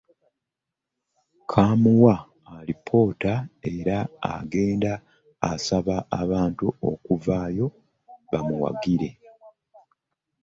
Kaamuwa alipoota era agenda asaba abantu okuvaayo bamuwagire